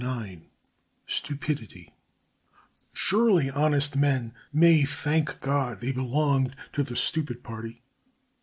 IX STUPIDITY "Surely honest men may thank God they belong to 'the Stupid Party'!"